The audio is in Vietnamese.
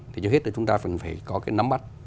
thì trước hết chúng ta vẫn phải có cái nắm bắt